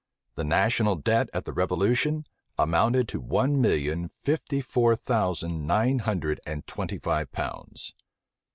The national debt at the revolution amounted to one million fifty four thousand nine hundred and twenty five pounds.